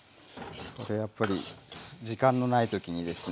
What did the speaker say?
でやっぱり時間のない時にですね。